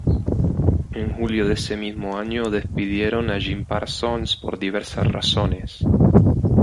En julio de ese mismo año, despidieron a Gene Parsons por diversas razones.